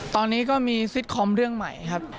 ตอนนี้ก็มีซิตคอมเรื่องใหม่ครับ